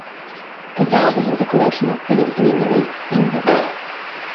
This album was a collection of previously released singles.